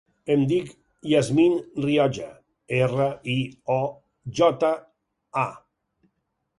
Em dic Yasmine Rioja: erra, i, o, jota, a.